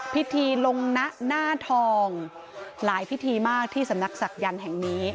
พิธีลงนะหน้าทองหลายพิธีมากที่สำนักศักยันต์แห่งนี้